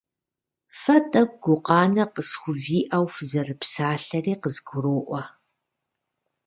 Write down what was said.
Фэ тӀэкӀу гукъанэ къысхувиӀэу фызэрыпсалъэри къызгуроӀуэ.